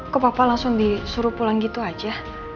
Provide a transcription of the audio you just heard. kok papa langsung disuruh pulang gitu aja